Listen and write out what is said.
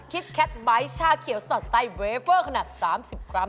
แคทไบท์ชาเขียวสอดสไตลเวเฟอร์ขนาด๓๐กรัม